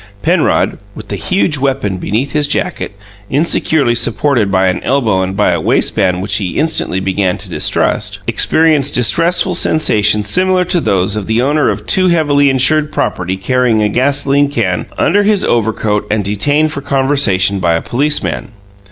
Penrod, with the huge weapon beneath his jacket, insecurely supported by an elbow and by a waistband which he instantly began to distrust, experienced distressful sensations similar to those of the owner of too heavily insured property carrying a gasoline can under his overcoat and detained for conversation by a policeman.